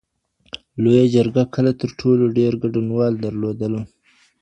لویه جرګه کله تر ټولو ډېر ګډونوال درلودل؟